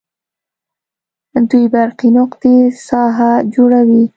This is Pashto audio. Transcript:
دوې برقي نقطې ساحه جوړوي.